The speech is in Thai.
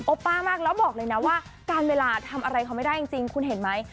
ป้ามากแล้วบอกเลยนะว่าการเวลาทำอะไรเขาไม่ได้จริงคุณเห็นไหม